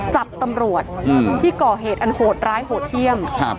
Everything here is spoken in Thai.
จับตำรวจที่ก่อเหตุอันโหดร้ายโหดเยี่ยม